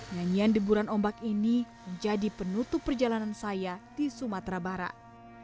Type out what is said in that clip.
nyanyian deburan ombak ini menjadi penutup perjalanan saya di sumatera barat